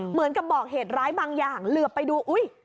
เหมือนกับบอกเหตุร้ายบางอย่างเหลือไปดูอุ๊ย